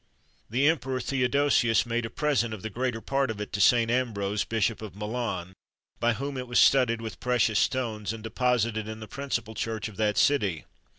The Emperor Theodosius made a present of the greater part of it to St. Ambrose, Bishop of Milan, by whom it was studded with precious stones, and deposited in the principal church of that city.